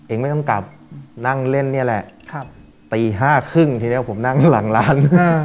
ไม่ต้องกลับนั่งเล่นนี่แหละตี๕๓๐ทีนี้ผมนั่งข้างหลังร้าน